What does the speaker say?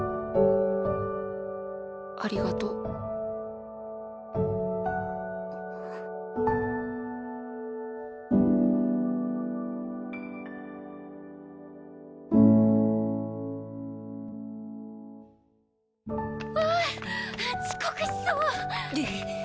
ありがとう。ああ遅刻しそう！